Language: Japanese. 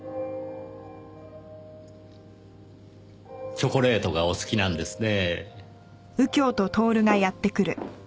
チョコレートがお好きなんですねぇ。